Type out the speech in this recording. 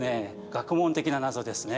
学問的な謎ですね。